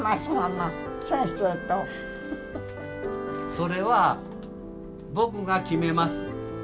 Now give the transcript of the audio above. それは僕が決めます。